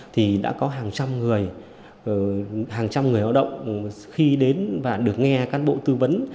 thì đã có hàng trăm người hàng trăm người lao động khi đến và được nghe cán bộ tư vấn